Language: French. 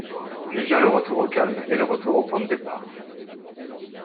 Puis vient le retour au calme, et le retour au point de départ.